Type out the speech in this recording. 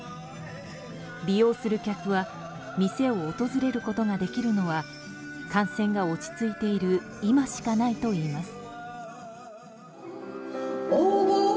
利用する客は店を訪れることができるのは感染が落ち着いている今しかないといいます。